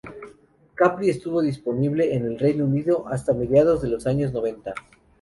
Capri estuvo disponible en el Reino Unido hasta mediados de los años noventa.